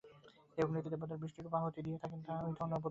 এই অগ্নিতে দেবতারা বৃষ্টিরূপ আহুতি দিয়া থাকেন, তাহা হইতে অন্ন উৎপন্ন হয়।